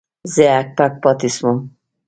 زه هک پک پاتې وم.